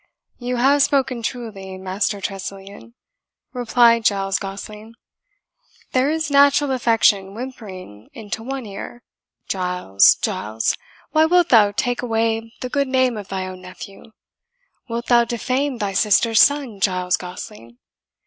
"You have spoken truly, Master Tressilian," replied Giles Gosling. "There is Natural Affection whimpering into one ear, 'Giles, Giles, why wilt thou take away the good name of thy own nephew? Wilt thou defame thy sister's son, Giles Gosling?